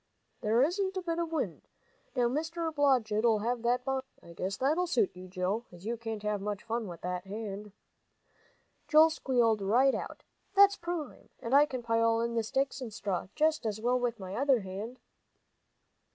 "There isn't a bit of wind. Now Mr. Blodgett'll have that bonfire, I guess; that'll suit you, Joe, as you can't have much fun with that hand." Joel squealed right out. "That's prime! And I can pile in the sticks and straw just as well with my other hand."